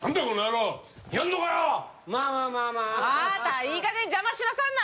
あなたいいかげん邪魔しなさんな！